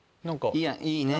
いやいいねぇ。